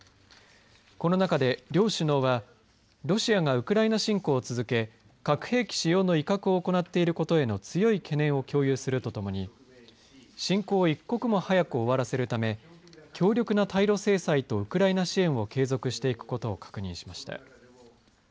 この中で、両首脳はロシアがウクライナ侵攻を続け核兵器使用の威嚇を行っていることへの強い懸念を共有するとともに侵攻を一刻も早く終わらせるため強力な対ロ制裁とウクライナ支援を継続していくことを確認しました。